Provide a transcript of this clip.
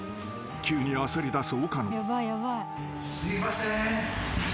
［急に焦りだす岡野］